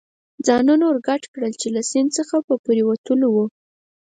ځانونه ور ګډ کړل، چې له سیند څخه په پورېوتو و.